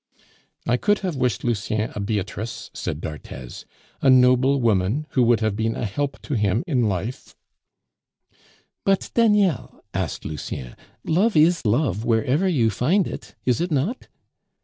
"I could have wished Lucien a Beatrice," said d'Arthez, "a noble woman, who would have been a help to him in life " "But, Daniel," asked Lucien, "love is love wherever you find it, is it not?"